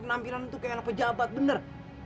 nampilan tuh kayak anak pejabat bener